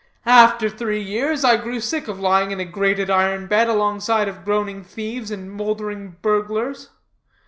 After three years, I grew sick of lying in a grated iron bed alongside of groaning thieves and mouldering burglars.